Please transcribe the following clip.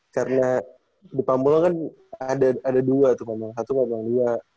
karena di pamulang kan ada dua tuh pamulang satu dan pamulang dua